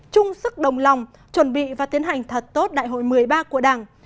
chung sức đồng lòng chuẩn bị và tiến hành thật tốt đại hội một mươi ba của đảng